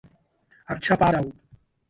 আচ্ছা, পা দাও।